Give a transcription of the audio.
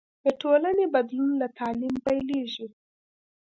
د ټولنې بدلون له تعلیم پیلېږي.